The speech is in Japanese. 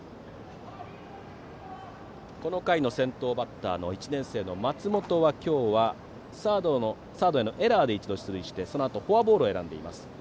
この回の先頭バッターの１年生、松本は今日はサードへのエラーで一度、出塁してそのあとフォアボールを選んでいます。